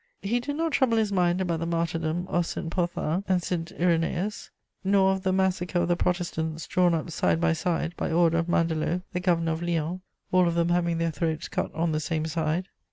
He did not trouble his mind about the martyrdom of St. Pothin and St. Ireneus, nor of the massacre of the Protestants drawn up side by side by order of Mandelot, the Governor of Lyons, all of them having their throats cut on the same side.